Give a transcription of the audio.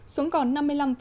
xuống còn năm mươi năm bảy